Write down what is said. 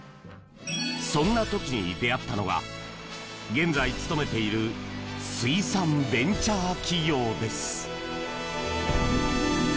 そんな時に出会ったのが現在、勤めている水産ベンチャー企業です。